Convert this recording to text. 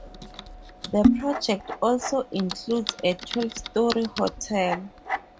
The project also includes a twelve-story hotel.